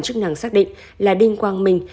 chức năng xác định là đinh quang minh